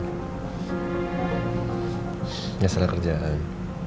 nggak salah kerjaan